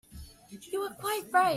You are quite right.